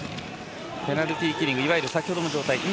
ペナルティーキリングいわゆる先ほどの状態。